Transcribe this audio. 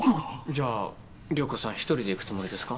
じゃあ涼子さん１人で行くつもりですか？